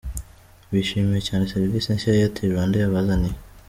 Bishimiye cyane serivisi nshya Airtel Rwanda yabazaniye.